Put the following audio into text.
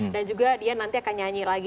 dan juga dia nanti akan nyanyi lagi